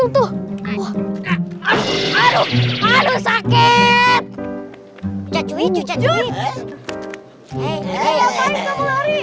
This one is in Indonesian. hei apaan kamu lari